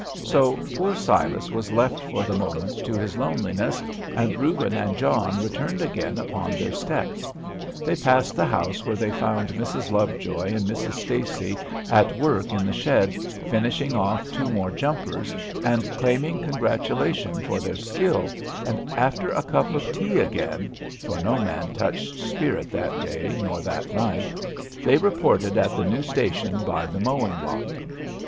So poor Silas was left for the moment to his loneliness, and Reuben and John returned again upon their steps. They passed the house where they found Mrs. Lovejoy and Mrs. Stacy at work in the shed, finishing off two more jumpers, and claiming congratulation for their skill, and after a cup of tea again, for no man touched spirit that day nor that night, they reported at the new station by the mowing lot.